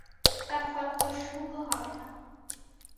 তার ফলাফল শুভ হবে না।